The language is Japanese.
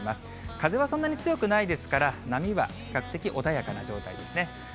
風はそんなに強くないですから、波は比較的穏やかな状態ですね。